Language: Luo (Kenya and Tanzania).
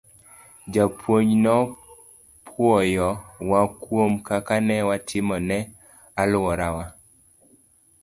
Japuonj nopwoyowa kuom kaka ne watimo ne alworawa.